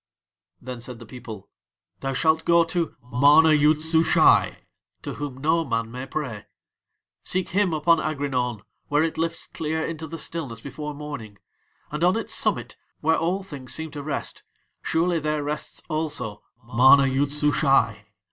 Then said the people: "Thou shalt go to MANA YOOD SUSHAI, to whom no man may pray: seek him upon Aghrinaun where it lifts clear into the stillness before morning, and on its summit, where all things seem to rest surely there rests also MANA YOOD SUSHAI.